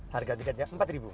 harga tiketnya rp empat